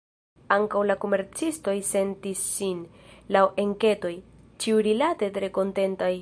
Ankaŭ la komercistoj sentis sin, laŭ enketoj, ĉiurilate tre kontentaj.